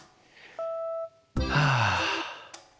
はあ。